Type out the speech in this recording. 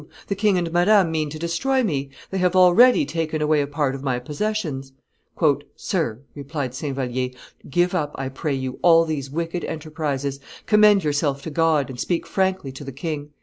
The king and Madame mean to destroy me; they have already taken away a part of my possessions." "Sir," replied Saint Vallier, "give up, I pray you, all these wicked enterprises; commend yourself to God, and speak frankly to the king."